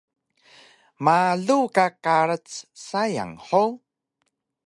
Malu ka karac sayang hug?